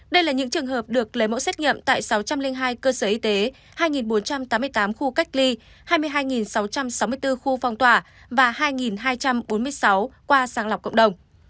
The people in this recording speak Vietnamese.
đây là những trường hợp được lấy mẫu xét nghiệm tại sáu trăm linh hai cơ sở y tế hai bốn trăm tám mươi tám khu cách ly hai mươi hai sáu trăm sáu mươi bốn khu phong tỏa và hai hai trăm bốn mươi sáu qua sàng lọc cộng đồng